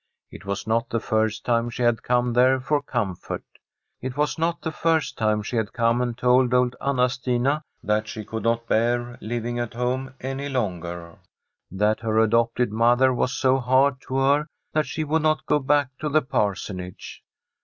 It was not the first time she had come there for comfort ; it was not the first time she had come and told old Anna Stina that she could not bear living at home any longer — ^that her adopted mother was so hard to her that she would not go back to the Parsonage.